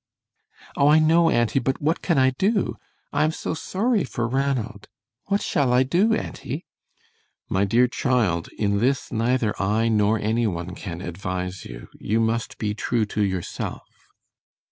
"Oh, I know, auntie, but what can I do? I am so sorry for Ranald! What shall I do, auntie?" "My dear child, in this neither I nor any one can advise you. You must be true to yourself."